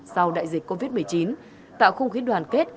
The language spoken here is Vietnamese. sau đại dịch covid một mươi chín tạo không khí đoàn kết